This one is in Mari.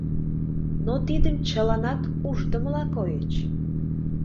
Но тидым чыланат уждымыла койыч.